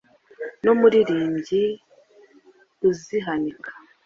N’umuririmbyi uzihanika